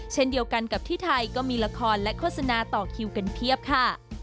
เช่นเดียวกันกับที่ไทยก็มีละครและโฆษณาต่อคิวกันเพียบค่ะ